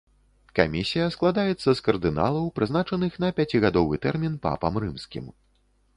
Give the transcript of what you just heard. Камісія складаецца з кардыналаў, прызначаных на пяцігадовы тэрмін папам рымскім.